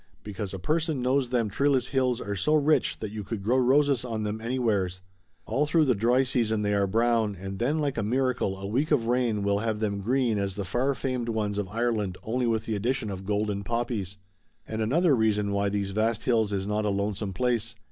Because a person knows them treeless hills are so rich that you could grow roses on them anywheres. All through the dry season they are brown, and then like a miracle a week of rain will have them green as the far famed ones of Ireland only with the addition of golden poppies. And another reason why these vast hills is not a lonesome place.